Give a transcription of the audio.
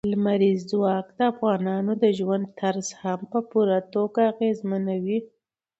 لمریز ځواک د افغانانو د ژوند طرز هم په پوره توګه اغېزمنوي.